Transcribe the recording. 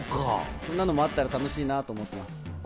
そんなのもあったら楽しいなと思ってます。